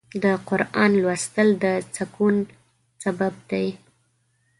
د قرآن لوستل د سکون سبب دی.